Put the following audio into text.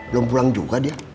belum pulang juga dia